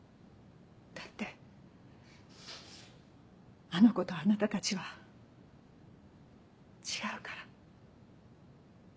だってあの子とあなたたちは違うから。